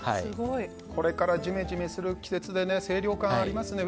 これからジメジメする季節で清涼感がありますね。